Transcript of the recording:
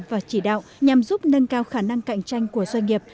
và chỉ đạo nhằm giúp nâng cao khả năng cạnh tranh của doanh nghiệp